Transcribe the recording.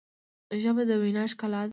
ژبه د وینا ښکلا ده.